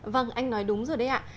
vâng anh nói đúng rồi đấy ạ